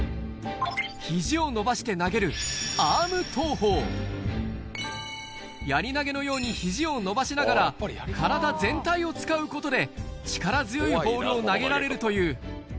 肘を伸ばして投げるやり投げのように肘を伸ばしながら体全体を使うことで力強いボールを投げられるという